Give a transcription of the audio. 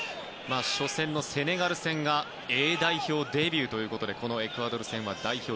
初戦のセネガル戦がＡ代表デビューということでエクアドル戦は代表